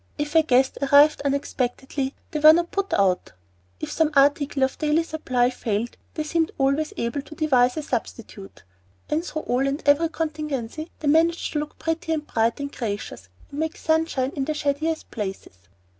If a guest arrived unexpectedly they were not put out; if some article of daily supply failed, they seemed always able to devise a substitute; and through all and every contingency they managed to look pretty and bright and gracious, and make sunshine in the shadiest places.